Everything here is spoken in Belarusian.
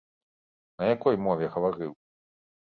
На якой мове гаварыў?